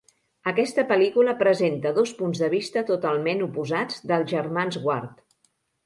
Aquesta pel·lícula presenta dos punts de vista totalment oposats dels germans Ward.